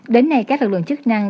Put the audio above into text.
đến nay các lực lượng chức năng